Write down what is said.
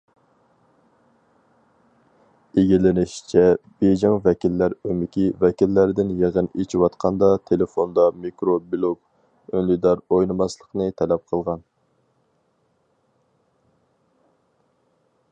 ئىگىلىنىشىچە، بېيجىڭ ۋەكىللەر ئۆمىكى ۋەكىللەردىن يىغىن ئېچىۋاتقاندا تېلېفوندا مىكرو بىلوگ، ئۈندىدار ئوينىماسلىقنى تەلەپ قىلغان.